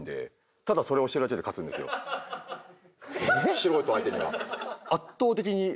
素人相手には。